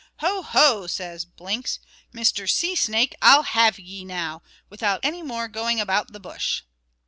"Ho! ho!" says Blinks, "Mr. Sea snake, I'll have ye now, without any more going about the bush."